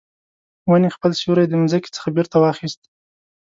ونې خپل سیوری د مځکې څخه بیرته واخیست